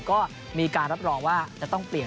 ก็มีการรับรองว่าจะต้องเปลี่ยน